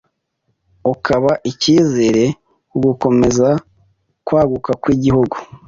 ukaba icyizere ku gukomeza kwaguka kw’igihugu